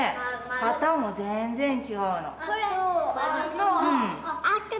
旗も全然違うの。